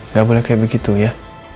nggak boleh kayak begitu ya